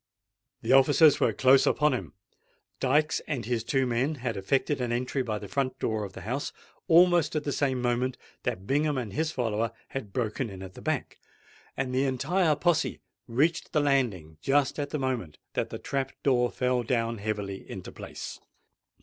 The officers were close upon him. Dykes and his two men had effected an entry by the front door of the house almost at the same moment that Bingham and his follower had broken in at the back; and the entire posse reached the landing just at the moment that the trap door fell down heavily into its place.